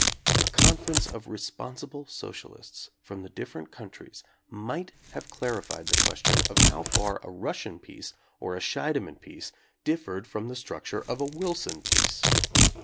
A con ference of responsible socialists from the different countries might have clarified the question how far a Russian peace or a Scheidemann peace differed from the structure of a Wilson peace.